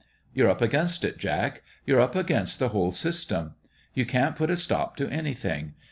You're up against it, Jack. You're up against the whole system. You can't put a stop to anything.